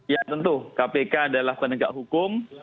ya tentu kpk adalah penegak hukum